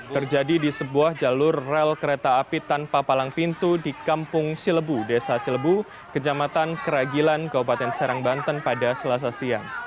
terjadi di sebuah jalur rel kereta api tanpa palang pintu di kampung cilebu desa silebu kejamatan keragilan kabupaten serang banten pada selasa siang